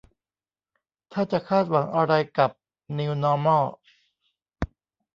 ถ้าจะคาดหวังอะไรกับ นิวนอร์มอล